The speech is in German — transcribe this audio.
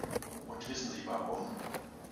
Und wissen Sie warum?